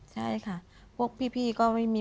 ใช่ค่ะพวกพี่ก็ไม่มี